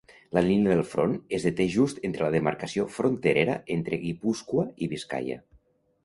La línia del front es deté just entre la demarcació fronterera entre Guipúscoa i Biscaia.